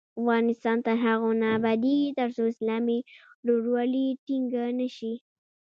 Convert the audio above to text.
افغانستان تر هغو نه ابادیږي، ترڅو اسلامي ورورولي ټینګه نشي.